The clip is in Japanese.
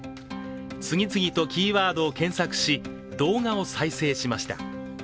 次々とキーワードを検索し、動画を再生しました。